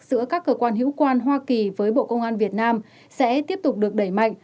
giữa các cơ quan hữu quan hoa kỳ với bộ công an việt nam sẽ tiếp tục được đẩy mạnh